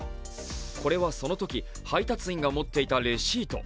これはそのとき配達員が持っていたレシート。